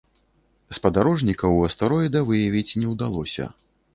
Спадарожнікаў у астэроіда выявіць не ўдалося.